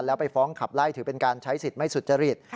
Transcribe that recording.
แล้วไปฟ้องขับไล่ถือเป็นการใช้สิทธิ์ไม่สุจริต